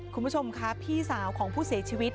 คุณผู้ชมค่ะพี่สาวของผู้เสียชีวิต